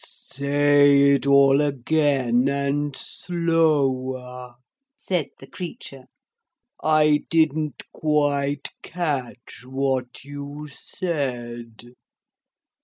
'Say it all again, and slower,' said the creature. 'I didn't quite catch what you said.'